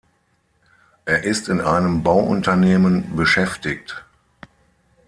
Er ist in einem Bauunternehmen beschäftigt.